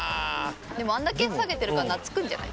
でもあんだけ餌あげてるから懐くんじゃない？